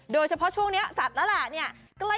โดยเฉพาะช่วงนี้จัดแล้วล่ะ